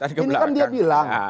ini kan dia bilang